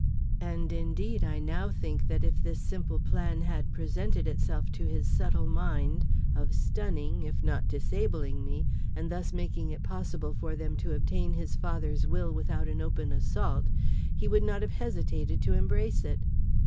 And, indeed, I now think that if this simple plan had presented itself to his subtle mind, of stunning, if not disabling me, and thus making it possible for them to obtain his father's will without an open assault, he would not have hesitated to embrace it.